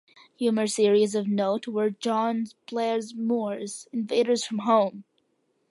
Humor series of note were John Blair Moore's Invaders from Home!!!